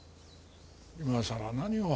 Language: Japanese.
今さら何を。